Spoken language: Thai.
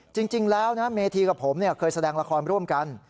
จริงแล้วนะเมธีกับผมเคยแสดงละครร่วมกัน